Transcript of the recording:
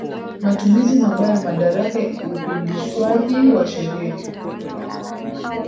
Matumizi mabaya ya madaraka upindishwaji wa sheria